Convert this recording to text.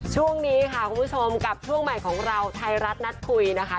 ช่วงนี้ค่ะคุณผู้ชมกับช่วงใหม่ของเราไทยรัฐนัดคุยนะคะ